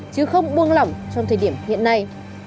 chứ không buông lỏng trong thời điểm hiện nay